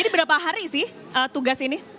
jadi berapa hari sih tugas ini